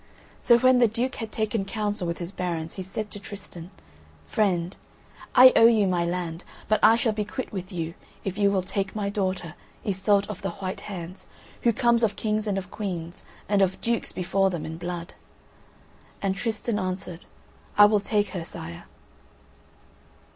So when the Duke had taken counsel with his barons, he said to Tristan "Friend, I owe you my land, but I shall be quit with you if you will take my daughter, Iseult of the White Hands, who comes of kings and of queens, and of dukes before them in blood." And Tristan answered: "I will take her, Sire."